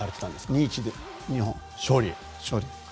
２−１で日本勝利。